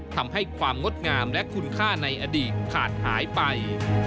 ทำให้ความงดงามและคุณค่าในอดีตขาดหายไป